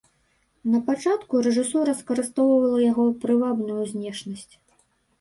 Напачатку рэжысура скарыстоўвала яго прывабную знешнасць.